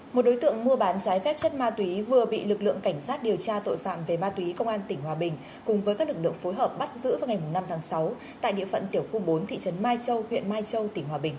một đối tượng mua bán trái phép chất ma túy vừa bị lực lượng cảnh sát điều tra tội phạm về ma túy công an tỉnh hòa bình cùng với các lực lượng phối hợp bắt giữ vào ngày năm tháng sáu tại địa phận tiểu khu bốn thị trấn mai châu huyện mai châu tỉnh hòa bình